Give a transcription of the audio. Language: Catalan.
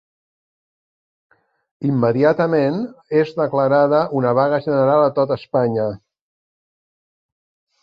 Immediatament, és declarada una vaga general a tot Espanya.